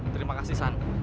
terima kasih san